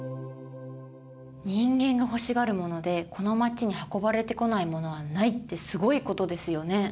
「人間が欲しがる物でこの街に運ばれてこない物はない」ってすごいことですよね。